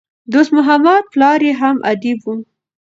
دوست محمد پلار ئې هم ادیب وو.